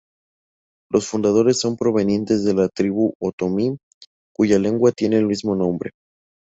Los fundadores son provenientes de la tribu Otomí, cuya lengua tiene el mismo nombre.